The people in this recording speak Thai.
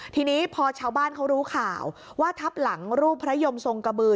ทีนี้พอชาวบ้านเขารู้ข่าวว่าทับหลังรูปพระยมทรงกระบือ